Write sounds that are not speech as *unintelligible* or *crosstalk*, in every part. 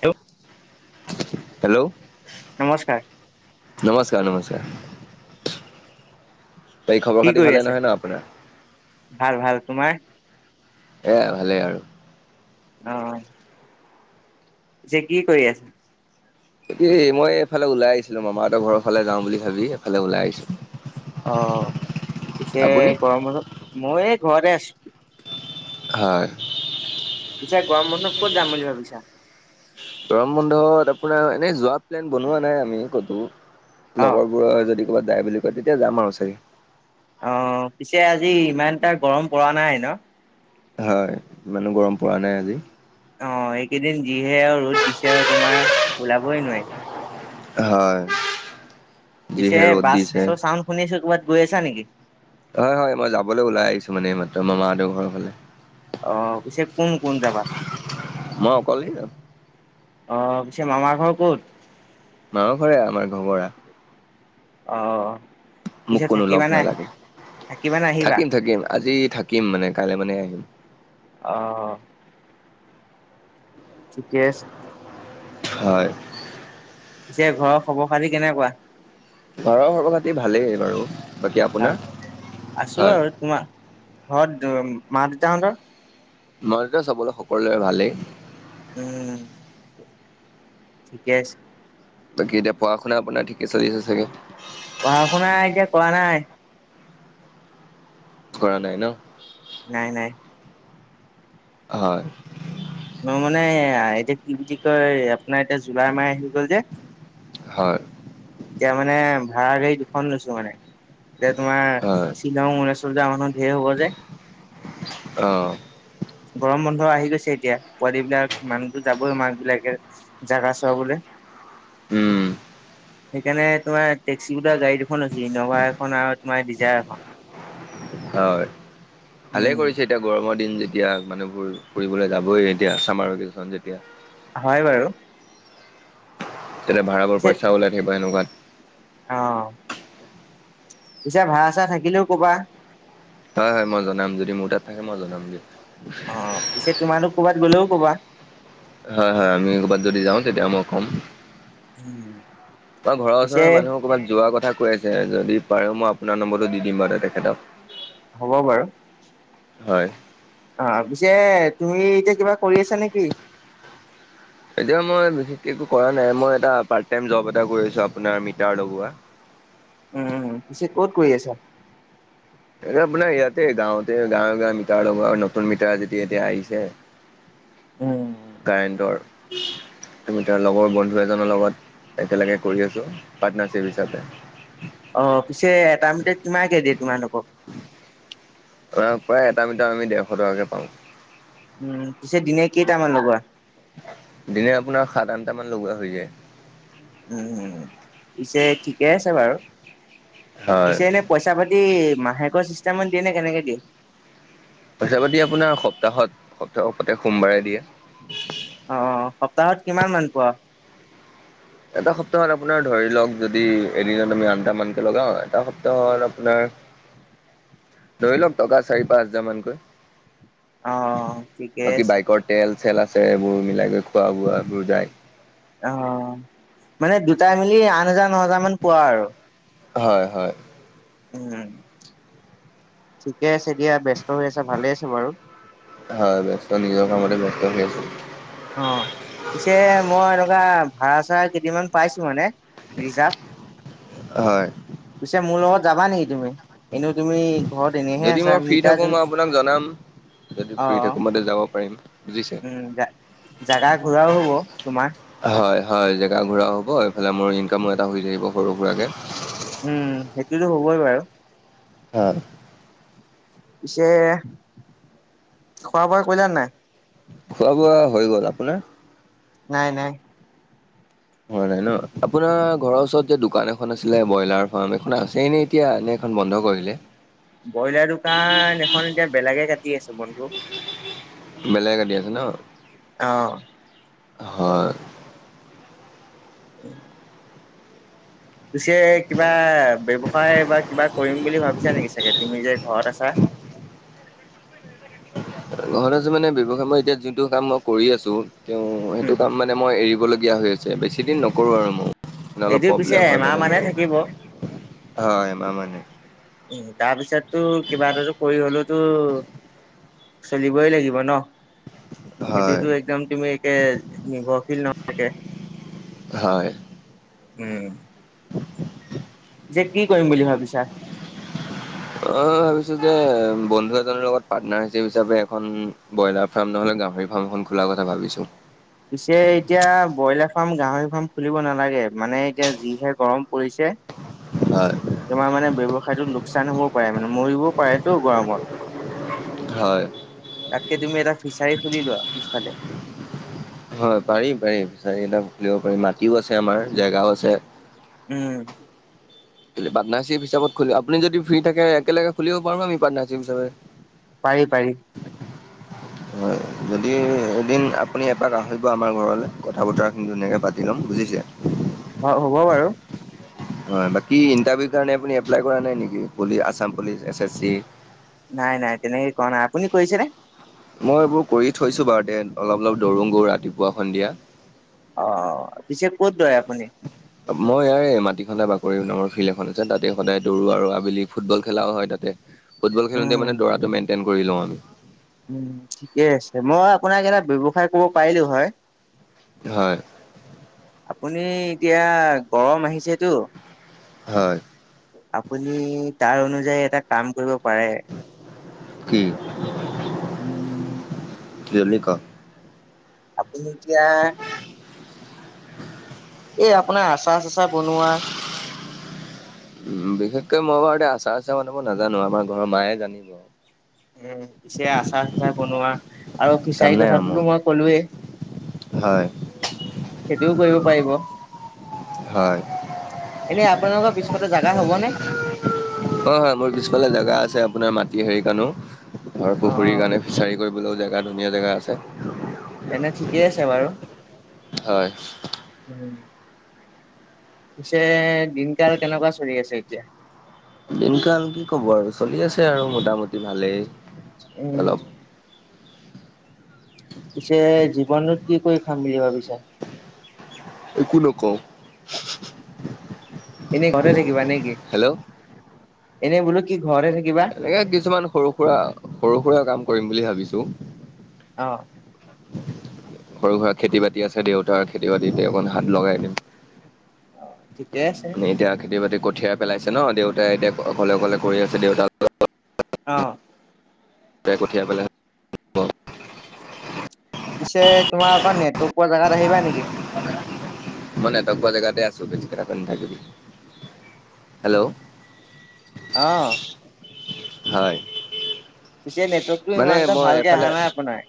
টো। হেল্ল'। নমস্কাৰ। নমস্কাৰ নমস্কাৰ। বাকী খবৰ কি খাতি কৰি ভালে আছে। নহয় ন আপোনাৰ ভাল ভাল তোমাৰ? এইয়া ভালেই আৰু। আহ যে কি কৰিআছে। এ মই এইফালে ওলাই আহিছিলো, মামাহঁতৰ ঘৰৰ ফালে যাওঁ বুলি ভাবি এইফালে ওলাই আহিছো। অ পিছে আপুনি গৰমত, মই এই ঘৰতে আছো। হয়। পিছে গৰম বন্দত ক'ত যাম বুলি ভাবিছা? গৰম বন্ধত আপোনাৰ এনেই যোৱা প্লেন বনোৱা নাই আমি ক'তো। অ লগৰবোৰৰে যদি ক'বাত যায় বুলি কয়, তেতিয়া যাম আৰু চাগে। অ পিছে আজি ইমানটা গৰম পৰা নাই ন। হয় ইমানো গৰম পোৱা নাই আজি। অ এইকেইদিন যিহে আৰু ৰ'দ দিছে আৰু তোমাৰ ওলাবই নোৱাৰি। হয়। পিছে যিহে ৰ'দ বাছ দিছে চ চাউণ্ড শুনিছো ক'বাত গৈ আছা নেকি। হয় হয় মই যাবলৈ ওলাই আহিছো মানে এই মাত্ৰ মামা হতৰ ঘৰৰ ফালে। অ পিছে কোন কোন যাবা? *inaudible* অ পিছে মামাৰ ঘৰ ক'ত মা ঘৰে আমাৰ ঘবৰা অ অ মোক কোনো লগ নালাগে থাকিবানে আহিবা থাকিম থাকিম আজি থাকিম মানে কাইলৈ মানে আহিম অ ঠিকেই আছে হয় এতিয়া ঘৰৰ খবৰ খালী কেনেকুৱা ঘৰৰ সৰ্ব খাতি ভালেই বাৰু বাকী ভাল আপোনাৰ আছো হয় আৰু তোমাৰ ঘৰত মা দেউতাহঁতৰ মইদ চাবলৈ সকলোৰে ভালেই উম ঠিকে আছে বাকী এতিয়া পঢ়া শুনা আপোনাৰ ঠিকে চলি আছে চাগে পঢ়া শুনা এতিয়া কোৱা নাই কৰা নাই ন নাই নাই হয় মই মানে এতিয়া কি বুলি কয় আপোনাৰ এতিয়া জুলাই মাহ আহি গল যে হয় এতিয়া মানে ভাড়া গাড়ী দুখন লৈছো মানে এতিয়া তোমাৰ হয় শ্বিলং ওলাইছ মানুহ ধেৰ হ'ব যে অঁ গৰম বন্ধ আহি গৈছে এতিয়া পোৱালিব বিলাক মানুহবোৰ যাবই মাক বিলাকে জোগা চৰাবলৈ উম সেইকাৰণে তোমাৰ টেক্সি বো গাড়ী দুখন হৈছে ইনভা এখন আৰু তোমাৰ ডিজাৰ এখন হয় ভালে উম কৰিছে এতিয়া গৰমৰ দিন যে এতিয়া মানুহবোৰ ফুৰিবলৈ যাবই এতিয়া চামাৰ ভেকেশচন যেতিয়া হয় বাৰু তেয়া পিছে ভড়াবোৰইা ওাই থাকিব এনেুৱাত অ পিছে ভাড়া চা থাকিলেও কবা হয় হয় মই জনাম যদি মোৰ তাত থাকে মই জনাম দিয় অ পিছে তোমাৰো কৰবাত গলেও ক'বা হয় হয় আমি কৰ'বাত যদি যাওঁ তেতিয়া মই কম আমাৰ ঘৰৰ পিছে ওচৰৰে মানুহ ক'ৰবাত যোৱা কথা কৈ আছে যদি বাৰ মই আপোনাৰ নম্বৰো দি দিম বাৰু তেখেত হ'ব বাৰু হয় অ পিছে তুমি এতিয়া কিবা কৰি আছা নেকি এতিয়া মই বিশেষকৈ একো কৰা নাই মই এটা প তাইম জাব এটা কৰিছো আপোনাৰ মিটাৰ লগোৱা উম পিছে ক'ত কৰি আছা আপোনাৰ ইয়াতে গাঁৱতে গাঁৱে গাঁৱ মিটাৰ লগত নতুন মিটাৰ যেতিয়া এতিয়া আহিছে উম কাৰেণ্টৰ তমি ত লগৰ বন্ধু এজনৰ লগত একেলগে কৰি আছোঁ পাৰ্টনাৰশ্বিপ হিচাপে অ পিছে তামতে তোমাই কেই দিয়ে তোমালোকক অ উম দিনে আপোনাৰ সাত আনটামান লগোৱা হৈ যায় উম উম পিছে ঠিকে আছে বাৰু হয়। পিছে এনে পইচা পাতি মাহেকৰ চিষ্টামত দিয়ে নে কেনেকে দিয়ে পইছা পাতি আপোনাৰ সপ্তাহত সপ্তাহ প্ৰতেক সোমবাৰে দিয়া অ সপ্তাহত কিমান মান পোৱা এটা সপ্তাহত আপোনাৰ ধৰি লওক যদি এদিনত আমি আনটামানকে লগাও এটা সপ্তাহত আপোনাৰ ধৰি লওক টকা চাৰি পাঁচ হাজাৰ মানকৈ অ ঠিকেই বাকী আছে বাইকৰ তেল চেল আছে এইবোৰ মিলাই কৰি খোৱা বোৱা এইবোৰ যায় অ মানে দুটাই মিলি আঠ হাজাৰ ন হাজাৰ মান পোৱা আৰু হয় হয় উম ঠিকে আছে দিযয়া ব্যস্ত হৈ আছা ভালে আছো বাৰু হয় ব্যস্ত নিজৰ *unintelligible* অ পিছে মই এনেকুৱা ভাড়া চাৰা কেইদিনমান পাইছো মানে ৰিজাৰ্ভ হয় পিছে মোৰ লগত যাবা নেকি তুমি এনেও তুমি ঘৰত এনেহে যদি মই আছা ফ্ৰী মিতা থাকো জ মই আপোনাক জনাম যদি ফ্ৰি থাকো মাতে যাব পাৰিম বুজিছে উম জাগা ঘূৰাও হ'ব তোমাৰ হয় হয় জেগা ঘূৰা হ'ব এইফালে মোৰ ইনকামো এটা হৈ যাকিব সৰু সুৰাকৈ উম সেইটোতো হ'বই বাৰু হ পিছে খোৱা বোৱা কৰিলো নাই খোৱা বোৱা হৈ গ'ল আপোনাৰ নাই নাই হয় নাই ন আপোনাৰ ঘৰৰ ওচৰত যে দোকান এখন আছিলে ব্ৰইলাৰ ফাৰ্ম এখন আছেই নে এতিয়া এখন বন্ধ কৰিলে ব্ৰইলাৰ দোকান এখন এতিয়া বেলেগে কাটি আছে বন্ধু বেলেগ আদি আছে ন? আহ হয় উ পাছে কিবা ব্যৱসায় বা কিবা কৰিম বুলি ভাবিছা নেকি চাগে তুমি যে ঘৰত আছা ঘৰত আ মানে বৱসায় মই এতিয়া যোনটো কাম মই কৰি আছো তে সেইটো উম কাম মানে মই এৰিব ল হৈ আছে বেছি দিন নকৰোঁ আৰু মই অলপ এইটো পিছে প্ৰব্লেম হয় এমাহ মানে মানহে থাকিব। এ মানে উম তাৰপিছততো কিবা এটাতো কৰি হলেওতো চলিবই লাগিব ন হয়, এইটোতো একদম তুমি একে নিৰ্ভৰশীল নহয়াকে হয় উম পিছে কি কৰিম বুলি ভাবিছা? অ ভাবিছো যে বন্ধু এজনৰ লগত পাৰ্টনাৰ হিচ হিচাপে এখন ব্ৰইলাৰ ফাৰ্ম নহলে গাহৰি ফাৰ্মখন খোলাৰ কথা ভাবিছো পিছে এতিয়া ব্ৰইলাৰ ফাৰ্ম গাহৰি ফাৰ্ম খুলিব নালাগে মানে এতিয়া যিহে গৰম পৰিছে হয় তোমাৰ মানে ব্যৱসায়টো লোকচান হ'বও পাৰে মানে মৰিবও পাৰেতো গৰমত হয়। তাককে তুমি এটা ফিচাৰী খুলি লোৱা পিছফালে হয় পাৰিম পাৰিম চাৰি পাৰিম মাটিও আছে আমাৰ জেগাও আছে উম। কেলে পাৰ্টনাৰশ্বিপ হিচত খুলোঁ আপুনি যদি ফ্ৰী থাকে একেলগে খুলিব পাৰো আমি পাৰ্টনাৰশ্বিপ হিচাপে। পাৰি পাৰি। হয় যদি এদিন আপুনি এপাক আহিব আমাৰ ঘৰলৈ কথা বতৰসিনি ধুনীয়াকে পাতি ল'ম বুজ বুজিছে? অ' হ'ব বাৰু। হয় বাকি ইটাৰভিউ কাৰনে আপুনি এপ্লাই কৰা নাই নেকি? পুলি Assam police S S C. নাই নাই তেনেকে কৰা নাই, আপুনি কৈছে নে? মই এইবোৰ কৰি থৈছো বাৰু তে অলপ অলপ দৰো গো ৰাতিপুৱা সন্ধিয়া। অ' পিছে ক'ত দৰে আপুনি? মই ইয়াৰে মাটি সন্দা বাকৰি নামৰ ফিল্ড এখন আছে তাতে সদায় দৰু আৰু আবেলি ফুটবল খেলাও হয় তাতে। ফুটবল খেলোঁতে উম। মানে দৰাটো মেইনটেইন কৰি লওঁ আমি। উম ঠিকে আছে, মই আপোনাক এটা ব্যৱসায় ক'ব পাৰিলোঁ হয়। হয়। আপুনি এতিয়া গৰম আহিছেতো হয়। আপুনি তাৰ অনুযায়ী এটা কাম কৰিব পাৰে। কি? উম জল্দি কওঁক। আপুনি এতিয়া এই আপোনাৰ আচা চাচা বনোৱা। উ বিশেষকৈ মই বাৰু এ আচাৰ আচাৰ বনাব নাজানো আমাৰ ঘৰৰ মায়ে জানিব। উ পিছে আচাৰ চাচাৰ বনোৱা আৰু কাম ফিচাৰী নাই আৰু মোৰ কথাটোতো মই কলোৱেই। হয়। সেইটোও কৰিব পাৰিব। হয়, এনে আপোনালোকৰ পিছফতে জোগা হ'বনে? হয় হয় মোৰ পিছফালে জেগা আছে আছে আপোনাৰ মাটি হেৰিৰ কাৰণেও ধৰ অ পুখুৰীৰ কাৰণে ফিচাৰী কৰিবলৈও জেগা ধুনীয়া জেগা আছে। তেনে ঠিকেই আছে বাৰু। হয়। উম পিছে দিনকাল কেনেকুৱা চলি আছে এতিয়া? দিনকাল কি ক'ব আৰু চলি আছে আৰু মোটামুটি ভালেই। উম। অলপ পিছে জীৱনত কি কৰি খাম বুলি ভাবিছা? একো নকওঁ। এনে ঘৰতে থাকিবা নে কি? হেল্ল' এনেই বোলো কি ঘৰতে থাকিবা? এনেকে কিছুমান সৰু সুৰা সৰু সুৰা কাম কৰিম বুলি ভাবিছোঁ। অ'। সৰু সুৰা খেতি বাতি আছে দেউতাৰ খেতি বাতিতে অকণ হাত লগাই দিম। অ', ঠিকে আছে। মানে এতিয়া খেতি বাতি কঠিয়াই পেলাইছে ন' দেউতাই এতিয়া অকলে অকলে কৰি আছে দেউতাক অ'। কঠিয়াই পেলাই *unintelligible* পিছে তোমাৰ অকণ নেটৱৰ্ক পোৱা জেগাত আহিবা নেকি? ম নেটৱৰ্ক পোৱা জেগাতে আছোঁ বেছি কথা কৈ নাথাকিবি। হেল্ল' উ, অ'। হয়। পিছে নেটৱৰ্কটো মানে ইমানটা মই ভালকে আহা এফালে নাই আপোনাৰ।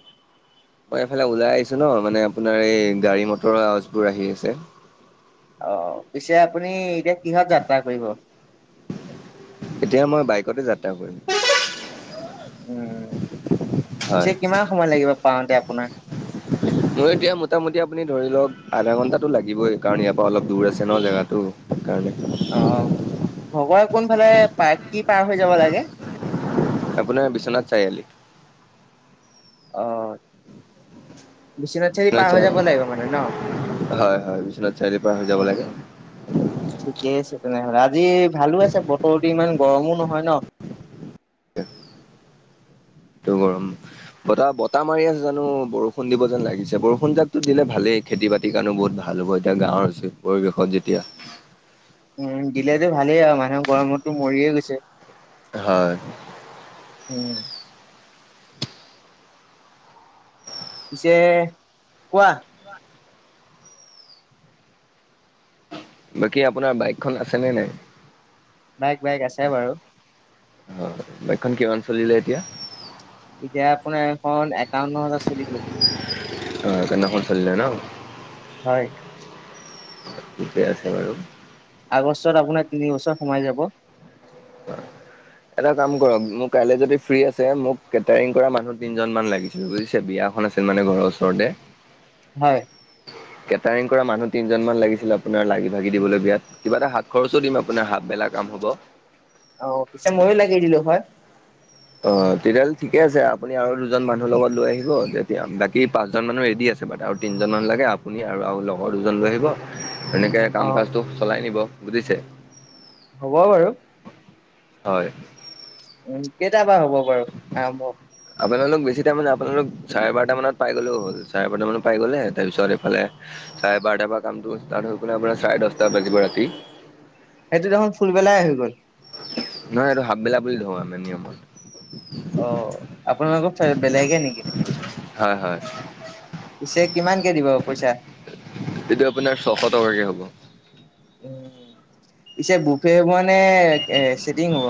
মই এইফালে ওলাই আহিছো ন মানে আপোনাৰ এই গাড়ী মটৰ অৱজবোৰ আহি আছে। অ', পিছে আপুনি এতিয়া কিহত যাত্ৰা কৰিব? এতিয়া মই বাইকতে যাত্ৰা কৰিম। উম, পিছে হয় কিমান সময় লাগিব পাওঁতে আপোনাৰ? মোৰ এতিয়া মোটামুটি আপুনি ধৰি লওণক আধা ঘন্টাটো লাগিবই। কাৰণ ইয়াৰ পৰা অলপ দূৰ আছে ন জেগাতটো। অ', ভবাই কোনফালে পাৰ কি পাৰ হৈ যাব লাগে? আপোনাৰ বিশ্বনাথ চাৰিআলি? অ', বিশ্বনাথ চৰিআলি পাৰ হৈ যাব লাগিব মানে ন? হয় হয় বিশ্বনাথ চাৰিআলিৰ পৰা হৈ যাব উম, লাগে ঠিকে আছে তেনেহ'লে আজি ভালো আছে বতৰ ইমান গৰমো নহয় ন। টো গৰম বতাহ বতাহ মাৰি আছে জানো বৰষুণ দিব যেন লাগিছ বৰষুণ জাকতো দিলে ভালেই খেতি বাতি কাৰণো বহুত ভাল। এতিয়া গাঁৱৰ হৈছে পৰিৱেশত যেতিয়া উম, দিলেতো ভালেই আৰু মানুহে গৰমতো মৰিয়ে গৈছে। হয়। উম। পিছে কোৱা। বাকী আপোনাৰ বাইকখন আছেনে নাই? বাইক বাইক আছে বাৰু। অ', বাইকখন কিমান চলিলে এতিয়া? এতিয়া আপোনাৰ এখন একাউন্ন হাজাৰ চলি গ'ল। অ', একাউন্ন হাজাৰ চলিলে ন! হয়। ঠিকে আছে বাৰু। আগষ্টত আপোনাৰ তিনি বছৰ সোমাই যাব। অ'। এটা কাম কৰক মোৰ কাইলৈ যদি ফ্ৰী আছে মোক কেটাৰিং কৰা মানুহ তিনজন মান লাগিছিল বুজিছে। বিয়া এখন আছিল মানে ঘৰৰ ওচৰতে। হয়। কেটাৰিং কৰা মানুহ তিনজন মান লাগিছিল আপোনাৰ লাগি ভাগি দিবলৈ বিয়াত কিবা এটা হাত খৰচো দিম আপোনাৰ হাত বেলাক কাম হ'ব। অ', পিছে ময়ো লাগি দিলো হয়। অ', তেতিয়াহ'লে ঠিকে আছে আপুনি আৰু দুজন মানুহৰ লগত লৈ আহিব তেতিয়া বাকী পাঁচজন মানুহ ৰেডি আ আছে আৰু তিনজন লাগে আপুনি আৰু লগৰ দুজন লৈ আহিব। তেনেকৈ অ কাম কাজটো চলাই নিব বুজিছে। হ'ব বাৰু। হয়। উম, কেইটা পা হ'ব বাৰু আৰম্ভ? আপোনালোক বেছি টাইম মানে আপোনালোক চাৰে বাৰটা মানত পাই গ'লেও হ'ল। চাৰে বাৰট মান পাই গ'লে তাৰপিছত এইফালে চাৰে বাৰটা পা কামটো ষ্টাৰ্ট হৈ গ'লে আপোনাৰ চাৰে দহটা বাজিব ৰাতি। সেইটো দেখোন ফুলবেলাই আহি গ'ল। নহয় এইটো হাপবেলা বুলি ধৰো আমি নিয়মত। অ আপোনালোকৰ বেলেগে নেকি? হয়, হয়। পিছে কিমানকে দিব পইচা? এইটো আপোনাৰ ছশ টকাকে হ'ব। উম, পিছে বুফে হ'ব নে চিটিং হ'ব?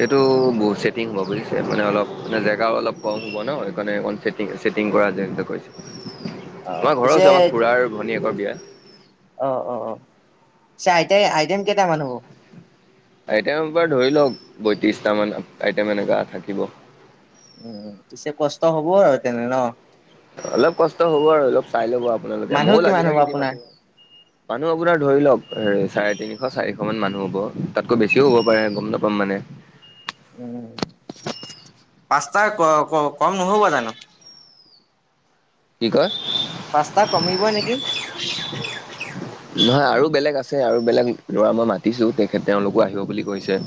এইটো বহুত ছেটিং হ'ব বুজিছে মানে অলপ মানে জেগাও অলপ কম হ'ব ন সেইকাৰণে অকণ চেটিং ছেটিং কৰা যায় হেনেকুৱা কৈছে। অ তোমাৰ ঘৰৰ পিছে আছে আমাৰ খুৰাাৰ আৰু ভনীয়েকৰ বিয়া। আইটম কেইটামান হ'ব। আইটেমৰপ ধৰি লওক বয়ত্ৰিছটামান আইটেম এনেকুৱা থাকিব। উম, পিছে কষ্ট হ'ব আৰু তেনে ন। অলপ কষ্ট হ'ব আৰু অলপ চাই ল'ব আপোনালোকে মানুহ ময়ো কিমান হ'ব লাগিবাগি দিম আপোনাৰ? আপোন। মানুহ আপোনাৰ ধৰি লওক চাৰে তিনিশ, চাৰিশ মান মানুহ হ'ব তাতকৈ বেছিও হ'ব পাৰে গম নাপাম মানে। *unintelligible* উম, পাঁচটা ক, ক, কম নহ'বা জানো? কি কয়? পাঁচতটা কমিব নেকি? নহয় আৰু বেলেগ আছে আৰু বেলেগ ল'ৰা মই মাতিছো তেখেত তেওঁলোকো আহিব বুলি কৈছে।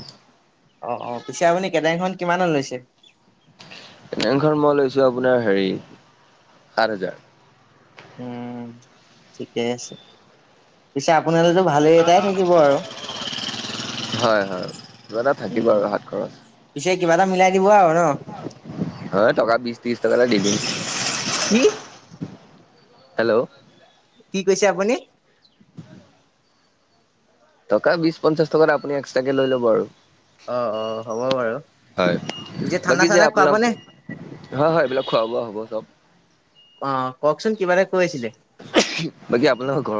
অ', অ', পিছে আপুনি কেদাইংখন কিমানত লৈছে? এনেংখন মই লৈছো আপোনাৰ হেৰি সাত হাজাৰ। উম, ঠিকে আছে পিছ আপোনালতো ভালেই এটাই থাকিব আৰু। হয়, হয়, দিবাদা থাকিব উম। আৰু হাত খৰচ। পিছে কিবা এটা মিলাই দিব আৰু ন? অ, টকা বিছ ত্ৰি টকাটা দি দিম। কি? হেল্ল'? কি কৈছে আপুনি? টকা বিশ, পঞ্চাশ টকাত আপুনি এক্সট্ৰ কে লৈ ল'ব আৰু। অ', অ', হ'ব বাৰু। হয়, পিছে ঠাণ্ডা বাকি যে চাণ্ডা আপোনাক খুৱাবনে? হয়, হয়, এইবিলাক খোৱা, বোৱা হ'ব চব। আহ, কওকচোন কিবাটা কৈ আছিলে? বাকী আপোনালোকৰ ঘৰত